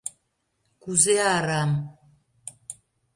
— Кузе арам?